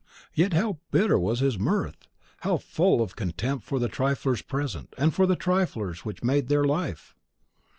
Yet, how bitter was his mirth; how full of contempt for the triflers present, and for the trifles which made their life!